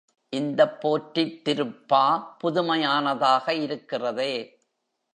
இந்தப் போற்றித் திருப்பா, புதுமையானதாக இருக்கிறதே!